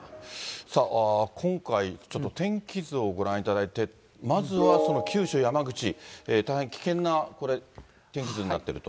さあ、今回、ちょっと天気図をご覧いただいて、まずはその九州、山口、大変危険な天気図になっていると。